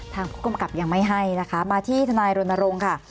ทางผู้กำกับยังไม่ให้นะคะมาที่ทนายรณรงค์ค่ะ